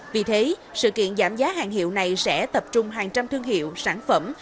vì thế sự kiện giảm giá hàng hiệu này sẽ tập trung hàng trăm thương hiệu sản phẩm